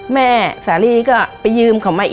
แม่สาลีก็ไปยืมเขามาอีก